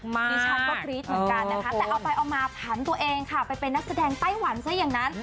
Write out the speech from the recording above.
ดิฉันก็กรี๊ดเหมือนกันนะคะแต่เอาไปเอามาผันตัวเองค่ะไปเป็นนักแสดงไต้หวันซะอย่างนั้น